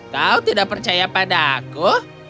kau tidak percaya padaku